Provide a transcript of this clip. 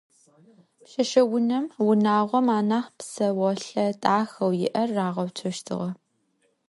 Пшъэшъэунэм унагъом анахь псэолъэ дахэу иӏэр рагъэуцощтыгъэ.